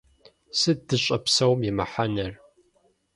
Сыт дыщӏэпсэум и мыхьэнэр?